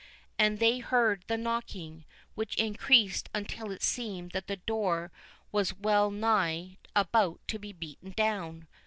And they heard the knocking, which increased until it seemed that the door was well nigh about to be beaten down.